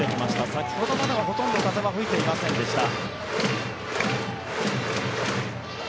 先ほどまでは、ほとんど風は吹いていませんでした。